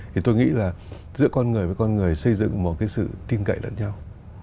thì tôi nghĩ là giữa con người với con người xây dựng một cái sự tin cậy lẫn nhau